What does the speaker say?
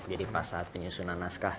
jadi pas saat penyusunan naskah